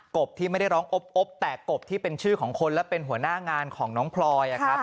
บที่ไม่ได้ร้องอบแต่กบที่เป็นชื่อของคนและเป็นหัวหน้างานของน้องพลอย